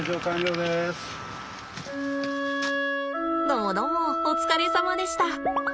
どもどもお疲れさまでした。